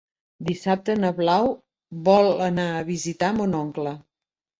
Dissabte na Blau vol anar a visitar mon oncle.